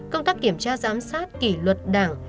công tác kiểm tra giám sát kỷ luật đảng